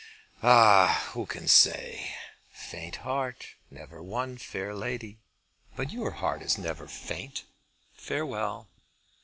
"Ah! who can say?" "Faint heart never won fair lady. But your heart is never faint. Farewell."